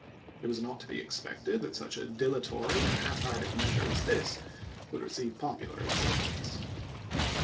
It was not to be expected that such a dilatory and half hearted measure as this would receive popular acceptance.